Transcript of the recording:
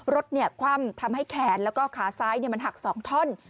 รถคว่ำทำให้แขนและขาซ้ายหัก๒ท่อน